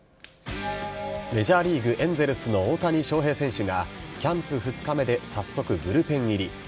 メジャーリーグ・エンゼルスの大谷翔平選手が、キャンプ２日目で早速ブルペン入り。